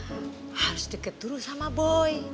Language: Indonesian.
adriana harus deket dulu sama boy